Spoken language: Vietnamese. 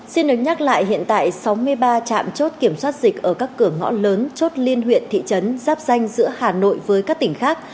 xin được nhắc lại hiện tại sáu mươi ba trạm chốt kiểm soát dịch ở các cửa ngõ lớn chốt liên huyện thị trấn giáp danh giữa hà nội với các tỉnh khác